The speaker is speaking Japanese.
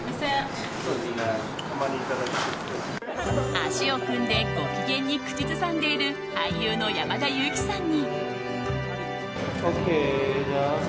足を組んでご機嫌に口ずさんでいる俳優の山田裕貴さんに。